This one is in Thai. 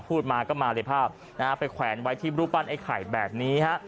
พูดมาก็มาเลยภาพนะฮะไปแขวนไว้ที่รูปปั้นไอ้ไข่แบบนี้ฮะ